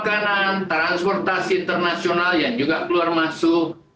kanan transportasi internasional yang juga keluar masuk